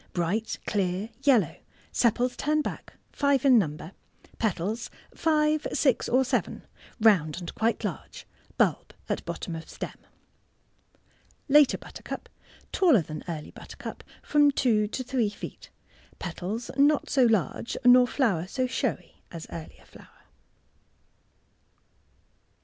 — Bright, clear yellow sepals turn back— five in number— petals five, six, or seven— round and quite large— bulb at bottom of stem. Later Buttercup.— Taller than early butter cup (from two to three feet)— petals not so large nor flower so showy as earlier flower.